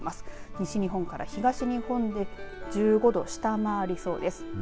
西日本から東日本で１５度を下回りそうです。